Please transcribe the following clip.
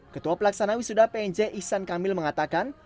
ketua pelaksana wisuda pnj ihsan kamil mengatakan